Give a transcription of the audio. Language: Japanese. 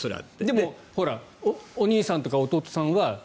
でもお兄さんとか弟さんは。